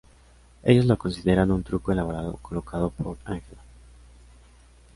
Ellos lo consideran un truco elaborado colocado por Angela.